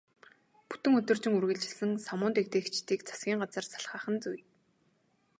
Бүтэн өдөржин үргэлжилсэн самуун дэгдээгчдийг засгийн газар залхаах нь зүй.